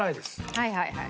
はいはいはい。